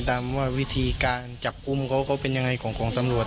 ตามวิธีการจับกุมเขาก็เป็นอย่างไรของกองสำรวจ